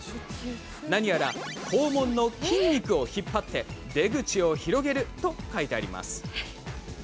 なにやら、肛門の筋肉を引っ張って出口を広げると書いてあります。